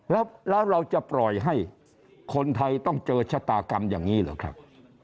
แล้วเราจะปล่อยให้คนไทยต้องเจอชะตากรรมอย่างนี้เหรอครับ